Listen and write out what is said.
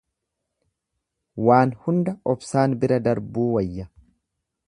Waan hunda obsaan bira darbuu wayya.